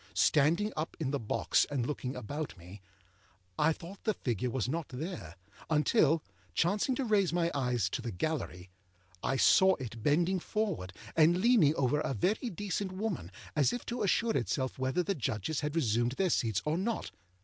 Standing up in the box and looking about me, I thought the figure was not there, until, chancing to raise my eyes to the gallery, I saw it bending forward, and leaning over a very decent woman, as if to assure itself whether the Judges had resumed their seats or not.